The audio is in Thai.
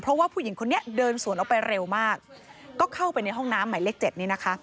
เพราะว่าผู้หญิงคนนี้เดินสวนออกไปเร็วมากก็เข้าไปในห้องน้ำหมายเลขเจ็ดนี่นะคะ